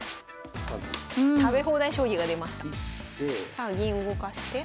さあ銀動かして。